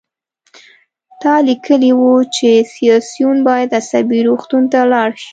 تا لیکلي وو چې سیاسیون باید عصبي روغتون ته لاړ شي